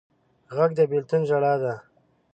غږ د بېلتون ژړا ده